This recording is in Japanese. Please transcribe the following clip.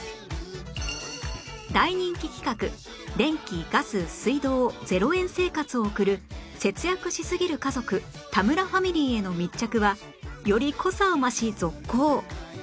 大人気企画電気・ガス・水道０円生活を送る節約しすぎる家族田村ファミリーへの密着はより濃さを増し続行！